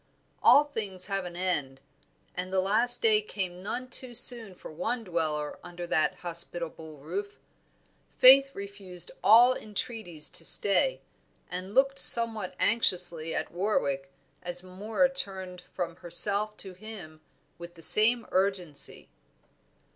All things have an end, and the last day came none too soon for one dweller under that hospitable roof. Faith refused all entreaties to stay, and looked somewhat anxiously at Warwick as Moor turned from herself to him with the same urgency.